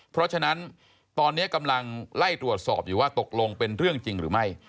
เพราะฉะนั้นตอนนี้กำลังไล่ตรวจสอบอยู่ว่าตกลงเป็นเรื่องจริงหรือไม่